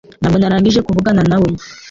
Ntabwo narangije kuvugana nawe